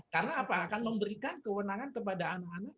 karena apa akan memberikan kewenangan kepada anak anak